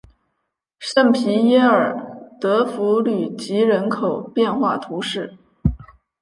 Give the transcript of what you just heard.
圣皮耶尔德弗吕吉人口变化图示